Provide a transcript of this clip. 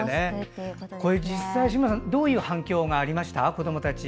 実際、志村さんどういう反響がありました？